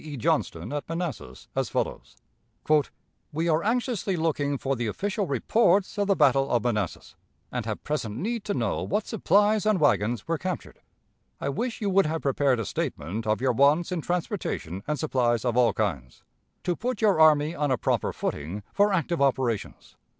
E. Johnston, at Manassas, as follows: "We are anxiously looking for the official reports of the battle of Manassas, and have present need to know what supplies and wagons were captured. I wish you would have prepared a statement of your wants in transportation and supplies of all kinds, to put your army on a proper footing for active operations....